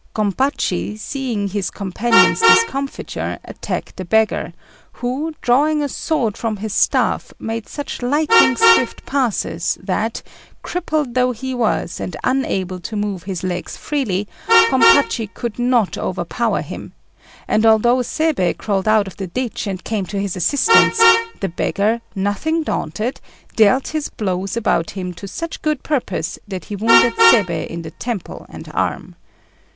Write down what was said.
Gompachi, seeing his companion's discomfiture, attacked the beggar, who, drawing a sword from his staff, made such lightning swift passes that, crippled though he was, and unable to move his legs freely, Gompachi could not overpower him; and although Seibei crawled out of the ditch and came to his assistance, the beggar, nothing daunted, dealt his blows about him to such good purpose that he wounded Seibei in the temple and arm.